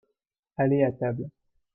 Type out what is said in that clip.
aller à table.